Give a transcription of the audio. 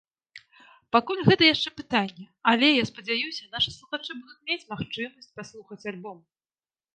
Пакуль гэта яшчэ пытанне, але, я спадзяюся, нашы слухачы будуць мець магчымасць паслухаць альбом.